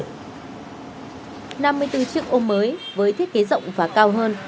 năm mươi bốn chiếc ôm mới với thiết kế rộng và cao hơn